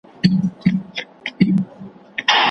په دوستي یې د ټولواک رضاکومه